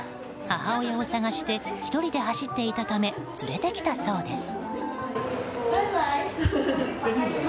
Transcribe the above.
母親を捜して１人で走っていたため連れてきたそうです。